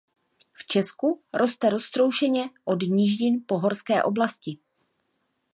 V Česku roste roztroušeně od nížin po horské oblasti.